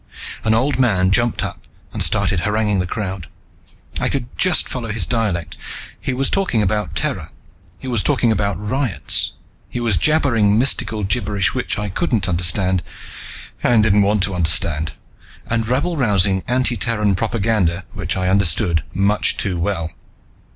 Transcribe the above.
An old man jumped up and started haranguing the crowd. I could just follow his dialect. He was talking about Terra. He was talking about riots. He was jabbering mystical gibberish which I couldn't understand and didn't want to understand, and rabble rousing anti Terran propaganda which I understood much too well.